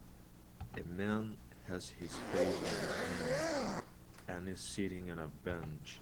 A man has his face in his hand and is sitting on a bench.